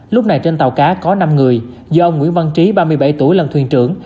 lúc này trên tàu cá có năm người do ông nguyễn văn trí ba mươi bảy tuổi làm thuyền trưởng